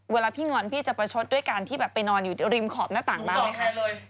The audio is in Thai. เวลาพี่งอนพี่จะประชดด้วยการที่แบบไปนอนอยู่ริมขอบหน้าต่างบ้างไหมคะ